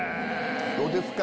どうですか？